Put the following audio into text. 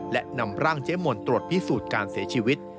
และนำร่างเจ๊มนตรวจพิสูจน์การเสียชีวิต